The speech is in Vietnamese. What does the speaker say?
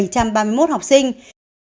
có một mươi một bảy trăm ba mươi một học sinh